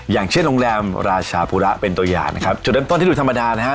อย่างเช่นโรงแรมราชาภูระเป็นตัวอย่างนะครับจุดเริ่มต้นที่ดูธรรมดานะฮะ